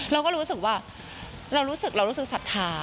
เราก็รู้สึกว่าเรารู้สึกสัทธา